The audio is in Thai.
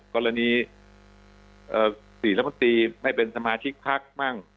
กรณีศิลป์ไม่เป็นสมาชิกภักดิ์มั่ง